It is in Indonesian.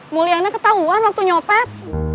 muliannya ketahuan waktu nyopet